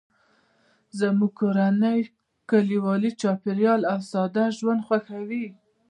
زموږ کورنۍ کلیوالي چاپیریال او ساده ژوند خوښوي